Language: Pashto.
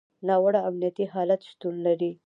ناوړه امنیتي حالت شتون لري.